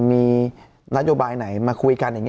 มีนโยบายไหนมาคุยกันอย่างนี้